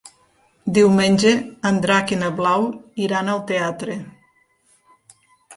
Diumenge en Drac i na Blau iran al teatre.